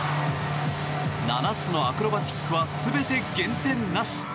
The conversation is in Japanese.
７つのアクロバティックは全て減点なし。